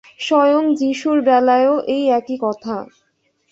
স্বয়ং যীশুর বেলায়ও এই একই কথা।